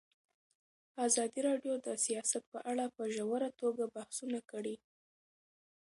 ازادي راډیو د سیاست په اړه په ژوره توګه بحثونه کړي.